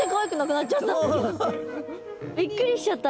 びっくりしちゃった。